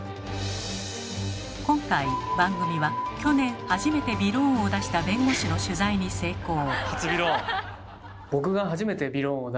今回番組は去年初めてびろーんを出した弁護士の取材に成功。